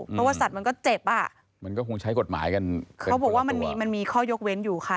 เพราะว่าสัตว์มันก็เจ็บอ่ะมันก็คงใช้กฎหมายกันคือเขาบอกว่ามันมีมันมีข้อยกเว้นอยู่ค่ะ